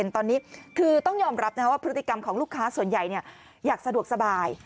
ตอนนี้คือต้องยอมรับว่าพฤติกรรมของลูกค้าส่วนใหญ่อยากสะดวกสบาย